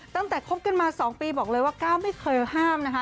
คบกันมา๒ปีบอกเลยว่าก้าวไม่เคยห้ามนะคะ